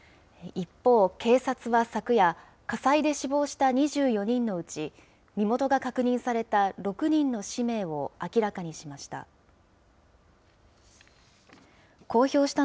一方、警察は昨夜、火災で死亡した２４人のうち、身元が確認された６人の氏名を明らかにしました。